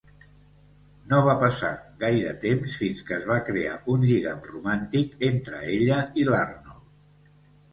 No va passar gaire temps fins que es va crear un lligam romàntic entre ella i l'Arnold.